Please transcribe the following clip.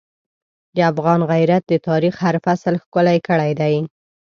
د افغان غیرت د تاریخ هر فصل ښکلی کړی دی.